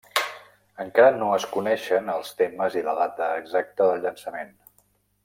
Encara no es coneixen els temes i la data exacta del llançament.